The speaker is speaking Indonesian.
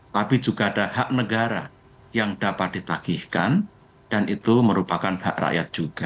tapi juga ada hak negara yang dapat ditagihkan dan itu merupakan hak rakyat juga